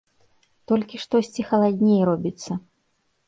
Толькі штосьці халадней робіцца.